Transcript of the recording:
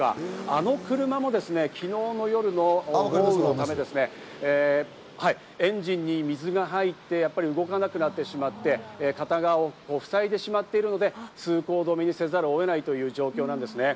あの車も昨日の夜の豪雨のためエンジンに水が入って動かなくなってしまって、片側を塞いでしまっているので、通行止めにせざるを得ない状況なんですね。